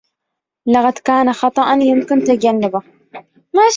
لقد كان خطأً يمكن تجنّبه.